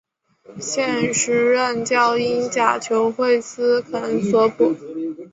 现时任教英甲球会斯肯索普。